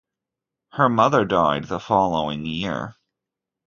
Her mother died the following year.